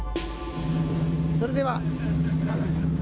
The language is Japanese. それでは。